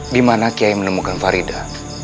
dimana kiai menemukan farida